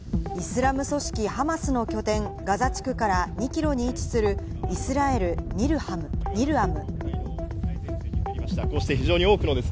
イスラム組織ハマスの拠点ガザ地区から２キロに位置するイスラエル・ニルアム。